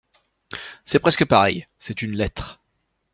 C’est presque pareil. C’est une lettre.